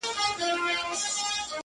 پښتنو واورئ! ډوبېږي بېړۍ ورو ورو!.